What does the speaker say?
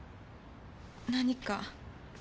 何か？